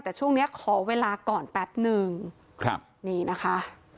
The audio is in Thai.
แต่ช่วงเนี้ยขอเวลาก่อนแป๊บหนึ่งครับนี่นะคะ